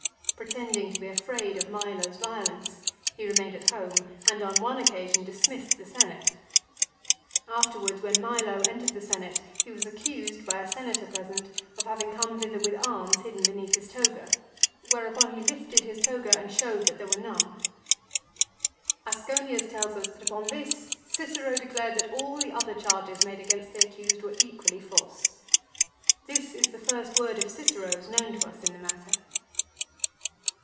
Pretending to be afraid of Milo's violence he re mained at home and on one occasion dismissed the Senate. Afterwards when Milo entered the Senate, he was accused by a Senator present of having come thither with arms hidden beneath his toga ; whereupon he lifted his toga and showed that there were none. Asconius tells us that upon this Cicero declared that all the other charges made against the accused were equally false. This is the first word of Cicero's known to us in the matter.